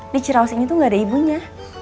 di ciraus ini tuh gak ada ibunya